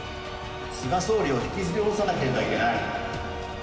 菅総理を引きずりおろさなければいけない。